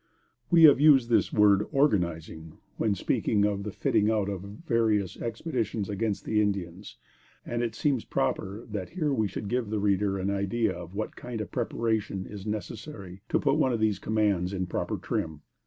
We have used this word "organizing," when speaking of the fitting out of various expeditions against the Indians, and it seems proper that here we should give the reader an idea of what kind of preparation is necessary to put one of these commands in proper trim.